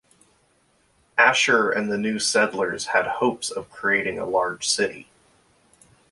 Asher and the new settlers had hopes of creating a large city.